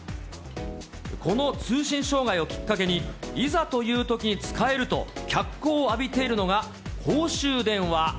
この通信障害をきっかけに、いざというとき使えると、脚光を浴びているのが、公衆電話。